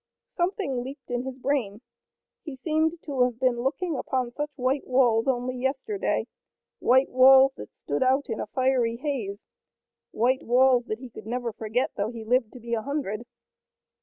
Something leaped in his brain. He seemed to have been looking upon such white walls only yesterday, white walls that stood out in a fiery haze, white walls that he could never forget though he lived to be a hundred.